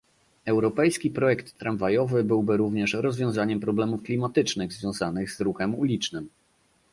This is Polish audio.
Europejski projekt tramwajowy byłby również rozwiązaniem problemów klimatycznych związanych z ruchem ulicznym